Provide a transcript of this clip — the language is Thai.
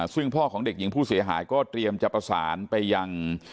ซึ่งพ่อของเด็กหญิงผู้เสียหายก็เตรียมจะประสานไปยัง